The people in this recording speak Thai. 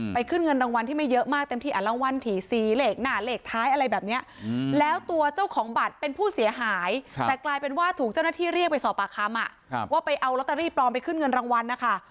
ขึ้นเงินรางวัลที่ไม่เยอะมากเต็มที่รางวัลถี่สี่เลขหน้าเลขท้ายอะไรแบบนี้แล้วตัวเจ้าของบัตรเป็นผู้เสียหายแต่กลายเป็นว่าถูกเจ้าหน้าที่เรียกไปสอบปากคำว่าไปเอาลอตเตอรี่ปลอมไปขึ้นเงินรางวัลนะคะ